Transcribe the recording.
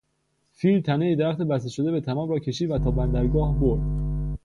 فیل تنهی درخت بسته شده به طناب را کشید و تا بندرگاه برد.